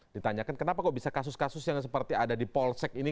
ditanyakan kenapa kok bisa kasus kasus yang seperti ada di polsek ini